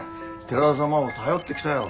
寺田様を頼ってきたよ。